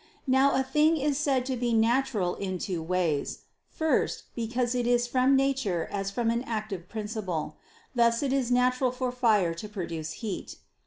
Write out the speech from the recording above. Now a thing is said to be natural in two ways. First, because it is from nature as from an active principle: thus it is natural for fire to produce heat.